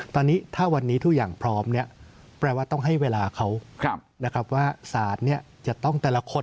ตอนนี้ถ้าวันนี้ทุกอย่างพร้อมเนี่ยแปลว่าต้องให้เวลาเขานะครับว่าสารจะต้องแต่ละคน